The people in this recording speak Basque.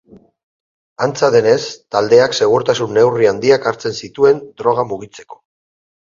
Antza denez, taldeak segurtasun neurri handiak hartzen zituen droga mugitzeko.